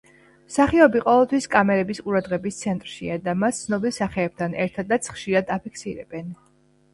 მსახიობი ყოველთვის კამერების ყურადღების ცენტრშია და მას ცნობილ სახეებთან ერთადაც ხშირად აფიქსირებენ.